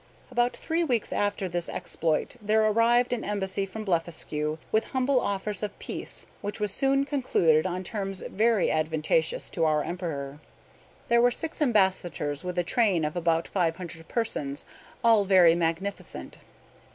About three weeks after this exploit there arrived an embassy from Blefuscu, with humble offers of peace, which was soon concluded, on terms very advantageous to our Emperor. There were six ambassadors, with a train of about five hundred persons, all very magnificent.